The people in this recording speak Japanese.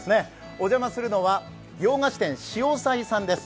お邪魔するのは洋菓子店、潮騒さんです。